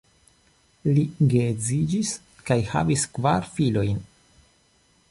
Li geedziĝis kaj havis kvar filojn.